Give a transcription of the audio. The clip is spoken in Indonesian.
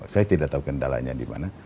saya tidak tahu kendalanya dimana